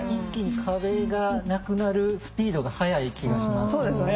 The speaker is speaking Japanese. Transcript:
一気に壁がなくなるスピードが速い気がします。